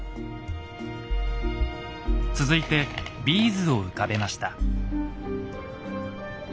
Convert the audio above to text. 続いてビーズを浮かべました。